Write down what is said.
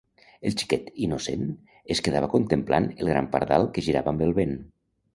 El xiquet, innocent, es quedava contemplant el gran pardal que girava amb el vent.